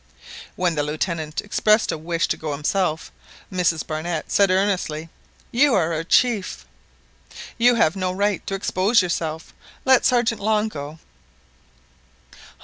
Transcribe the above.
When the Lieutenant expressed a wish to go himself, Mrs Barnett said earnestly, "You are our chief; you have no right to expose yourself. Let Sergeant Long go."